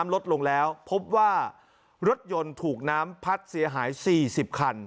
ลดลงแล้วพบว่ารถยนต์ถูกน้ำพัดเสียหาย๔๐คัน